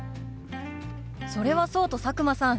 それはそうと佐久間さん